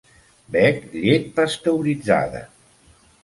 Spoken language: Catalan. Bec llet pasteuritzada.